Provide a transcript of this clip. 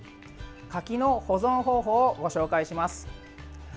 柿の保存方法をご紹介します。